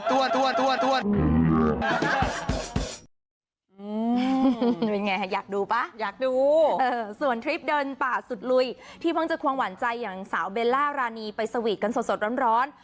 เป็นไงอยากดูป่ะอยากดูส่วนทริปเดินป่าสุดลุยที่เพิ่งจะควงหวานใจอย่างสาวเบลล่ารานีไปสวีทกันสดร้อน